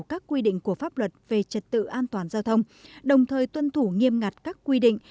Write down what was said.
các quy định của pháp luật về trật tự an toàn giao thông đồng thời tuân thủ nghiêm ngặt các quy định